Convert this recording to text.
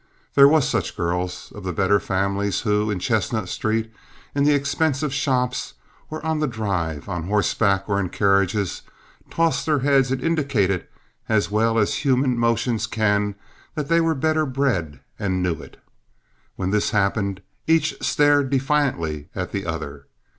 There were such girls of the better families who, in Chestnut Street, in the expensive shops, or on the drive, on horseback or in carriages, tossed their heads and indicated as well as human motions can that they were better bred and knew it. When this happened each stared defiantly at the other.